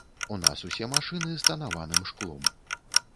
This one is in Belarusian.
У нас усе машыны з танаваным шклом.